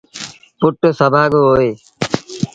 پُٽ سڀآڳو هوئي۔